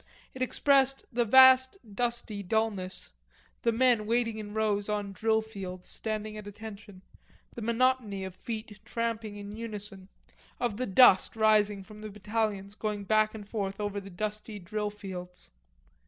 It expressed the vast dusty dullness, the men waiting in rows on drill fields, standing at attention, the monotony of feet tramping in unison, of the dust rising from the battalions going back and forth over the dusty drill fields.